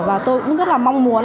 và tôi cũng rất là mong muốn